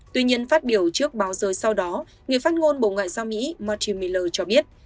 tuy nhiên phát biểu trước báo rơi sau đó người phát ngôn bộ ngoại giao mỹ marty miller cho biết